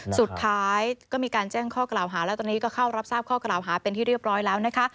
สุดท้ายก็มีการแจ้งข้อกล่าวหาแล้วตอนนี้ก็เข้ารับทราบข้อกล่าวหาเป็นที่เรียบร้อยแล้วนะคะ